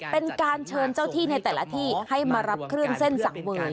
เป็นการเชิญเจ้าที่ในแต่ละที่ให้มารับเครื่องเส้นสังเวย